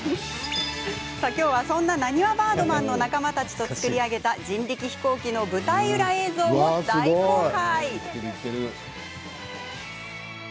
今日は、そんななにわバードマンの仲間たちと作り上げた人力飛行機の舞台裏映像も大公開しますよ。